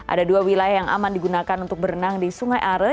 ada dua wilayah yang aman digunakan untuk berenang di sungai are